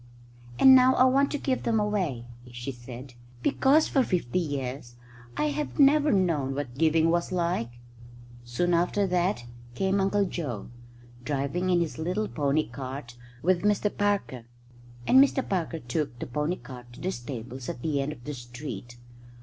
"And now I want to give them away," she said, "because for fifty years I have never known what giving was like." Soon after that came Uncle Joe, driving in his little pony cart with Mr Parker; and Mr Parker took the pony cart to the stables at the end of the street.